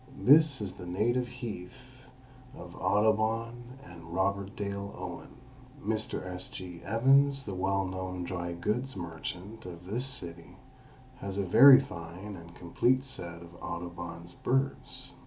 This is the native heath of Audubon and Robert Dale Owen. Mr. S. G. Evans, the well known dry goods merchant of this city, has a very fine and complete set of Audubon's birds.